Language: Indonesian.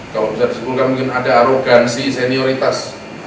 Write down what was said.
kalau bisa disimpulkan mungkin ada arogansi senioritas